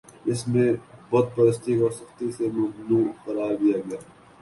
جس میں بت پرستی کو سختی سے ممنوع قرار دیا گیا